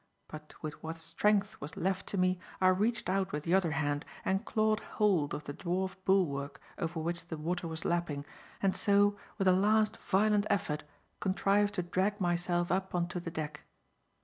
But, with what strength was left to me, I reached out with the other hand and clawed hold of the dwarf bulwark over which the water was lapping; and so, with a last violent effort, contrived to drag myself up on to the deck.